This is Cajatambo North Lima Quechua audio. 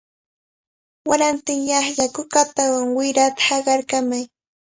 Warantinyaqlla kukatawan wirata haqarkamay.